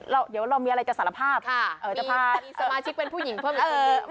เราเดี๋ยวเรามีอะไรจะสารภาพค่ะเอ่อจะพลาดมีสมาชิกเป็นผู้หญิงเพิ่ม